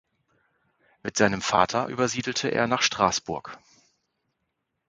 Mit seinem Vater übersiedelte er nach Straßburg.